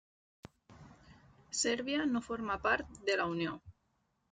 Sèrbia no forma part de la unió.